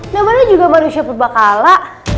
nomada juga manusia berbakala